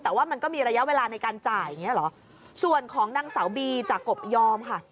แต่ว่ามันก็มีระยะเวลาในการจ่ายอย่างเงี้เหรอส่วนของนางสาวบีจากกบยอมค่ะ